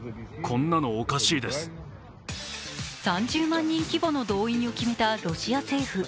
３０万人規模の動員を決めたロシア政府。